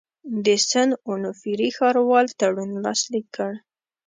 د سن اونوفري ښاروال تړون لاسلیک کړ.